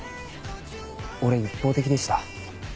俺一方的でした。